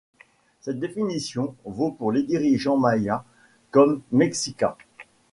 Cette définition vaut pour les dirigeants mayas comme mexicas.